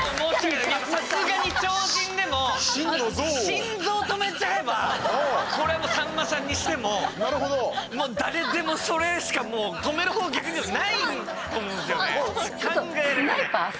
さすがに超人でも心臓を止めちゃえばこれはもう、さんまさんにしても誰でも、それしかもう止める方法、逆に言えばないと思うんですよね。